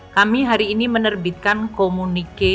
kami hari ini menerbitkan komunike